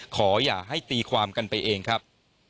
ขออย่าให้ตีความกันไปเองครับ